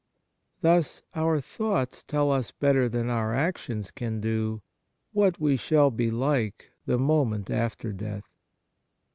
Thus, our thoughts tell us better than our actions can do what we shall be like the moment after death.